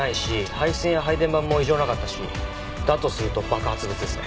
配線や配電盤も異常なかったしだとすると爆発物ですね。